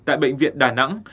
tại bệnh viện đà nẵng